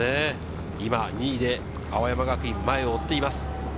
今、２位で青山学院、前を追っています。